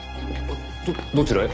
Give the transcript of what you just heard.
どちらへ？